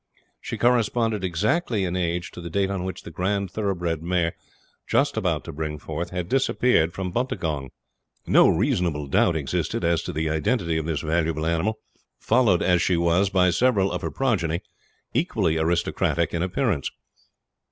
She corresponded exactly in age to the date on which the grand thoroughbred mare, just about to bring forth, had disappeared from Buntagong. No reasonable doubt existed as to the identity of this valuable animal, followed as she was by several of her progeny, equally aristocratic in appearance.